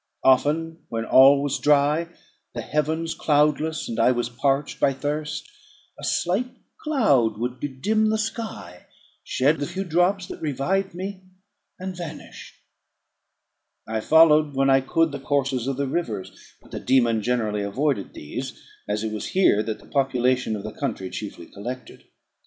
Often, when all was dry, the heavens cloudless, and I was parched by thirst, a slight cloud would bedim the sky, shed the few drops that revived me, and vanish. I followed, when I could, the courses of the rivers; but the dæmon generally avoided these, as it was here that the population of the country chiefly collected.